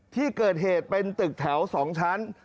ที่เกิดเหตุเป็นตึกแถว๒ชั้น